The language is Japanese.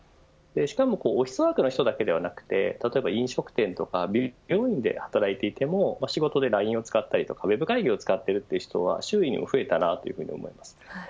しかもオフィスワークの人だけではなく飲食店とか美容院で働いていても仕事でＬＩＮＥを使ったりとかウェブ会議を使っているという人は、周囲にも増えたなと思うんです。